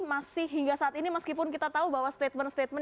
masih hingga saat ini meskipun kita tahu bahwa statement statement